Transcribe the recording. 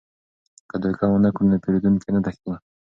که دوکه ونه کړو نو پیرودونکي نه تښتي.